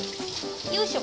よいしょ。